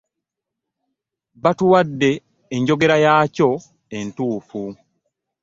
Batuwadde enjogera yakyo entuufu.